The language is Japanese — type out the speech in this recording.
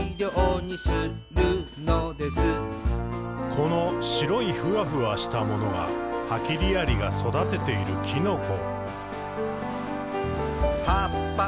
「この白いふわふわしたものがハキリアリが育てているきのこ。」